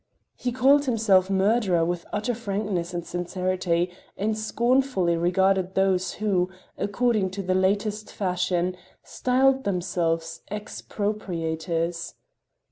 He called himself murderer with utter frankness and sincerity, and scornfully regarded those who, according to the latest fashion, styled themselves "expropriators."